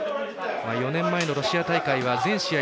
４年前のロシア大会は全試合